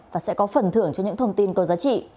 và sẽ có phần thưởng cho những thông tin có giá trị